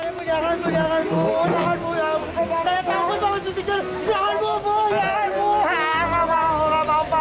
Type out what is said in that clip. jangan bu jangan bu jangan bu jangan bu